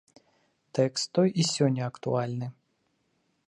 Тэкст той і сёння актуальны.